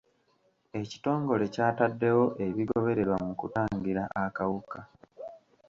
Ekitongole ky'ataddewo ebigobererwa mu kutangira akawuka.